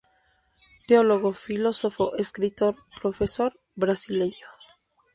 Teólogo, filósofo, escritor, profesor, brasileño.